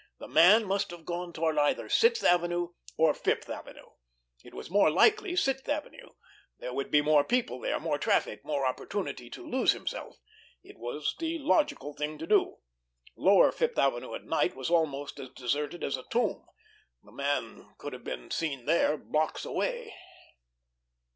The man must have gone toward either Sixth Avenue or Fifth Avenue. It was more likely Sixth Avenue; there would be more people there, more traffic, more opportunity to "lose himself." It was the logical thing to do. Lower Fifth Avenue at night was almost as deserted as a tomb; the man could have been seen there blocks away.